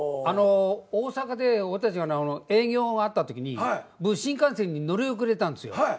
大阪で俺たちが営業があったときに新幹線に乗り遅れたんですよ。